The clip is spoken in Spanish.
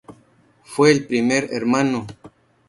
Fue el primer Hno.